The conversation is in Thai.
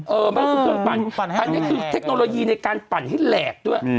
ไม่ใช่เครื่องปั่นอันนี้คือเทคโนโลยีในการปั่นให้แหลกด้วย